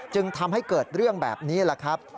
จึงทำให้เกิดเรื่องแบบนี้แหละครับ